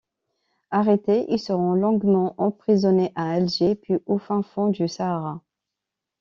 Arrêtés, ils seront longuement emprisonnés à Alger puis au fin fond du Sahara.